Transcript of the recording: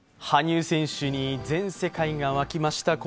羽生選手に全世界が沸きました。